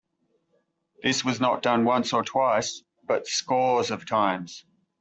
This was not done once or twice, but scores of times.